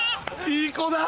いい子だ。